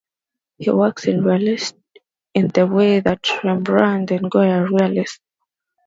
Her work is realist in the way that Rembrandt and Goya are realist.